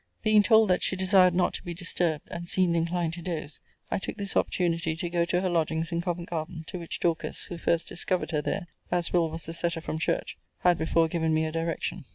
Being told that she desired not to be disturbed, and seemed inclined to doze, I took this opportunity to go to her lodgings in Covent garden: to which Dorcas (who first discovered her there, as Will. was the setter from church) had before given me a direction.